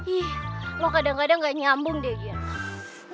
ih lo kadang kadang gak nyambung deh gitu